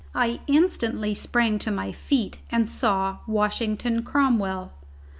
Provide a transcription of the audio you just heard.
I instantly sprang to my feet and saw Washington Cromwell.